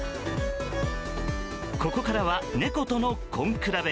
ここからは猫との根比べ。